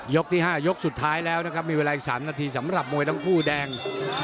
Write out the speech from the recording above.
ที่๕ยกสุดท้ายแล้วนะครับมีเวลาอีก๓นาทีสำหรับมวยทั้งคู่แดง